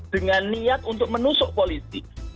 dengan niat untuk menusuk politik